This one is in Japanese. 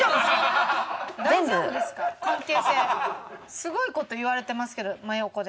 すごい事言われてますけど真横で。